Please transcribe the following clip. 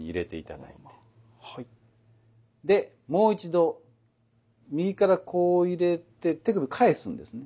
でもう一度右からこう入れて手首返すんですね。